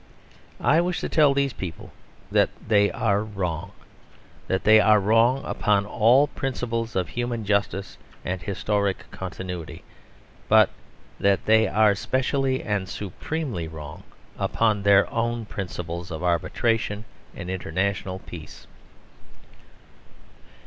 I wish to tell these people that they are wrong; that they are wrong upon all principles of human justice and historic continuity: but that they are specially and supremely wrong upon their own principles of arbitration and international peace.